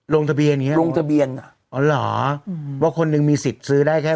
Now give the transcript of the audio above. ลงทะเบียนอย่างนี้ลงทะเบียนอ๋อเหรอว่าคนหนึ่งมีสิทธิ์ซื้อได้แค่